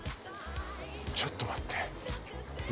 ちょっと待って！